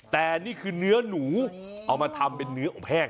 แต่นี่คือเนื้อหนูเอามาทำเป็นเนื้ออบแห้ง